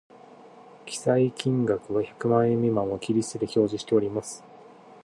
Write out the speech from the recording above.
記載金額は百万円未満を切り捨てて表示しております